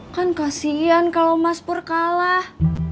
kan kasian kalau mas pur kalah